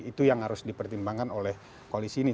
itu yang harus dipertimbangkan oleh koalisi ini